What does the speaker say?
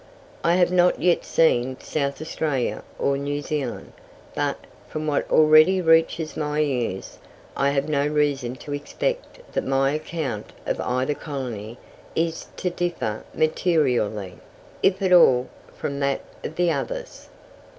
I have not yet seen South Australia or New Zealand, but, from what already reaches my ears, I have no reason to expect that my account of either colony is to differ materially, if at all, from that of the others.